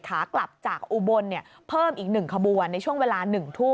ขากลับจากอุบลเพิ่มอีก๑ขบวนในช่วงเวลา๑ทุ่ม